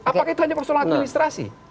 apakah itu hanya persoalan administrasi